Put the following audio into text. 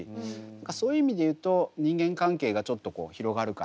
そういう意味で言うと人間関係がちょっと広がるから。